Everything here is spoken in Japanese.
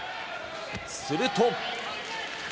すると。